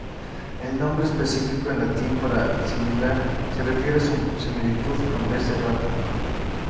El nombre específico, en latín para "similar", se refiere a su similitud con "B.serrata.